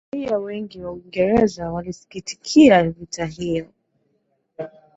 raia wengi wa uingereza walisikitikia vita hiyo